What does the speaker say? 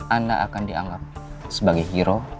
anda akan dianggap sebagai hero